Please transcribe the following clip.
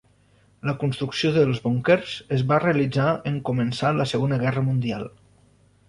La construcció dels búnquers es va realitzar en començar la Segona Guerra Mundial.